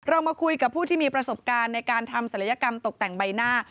มาคุยกับผู้ที่มีประสบการณ์ในการทำศัลยกรรมตกแต่งใบหน้า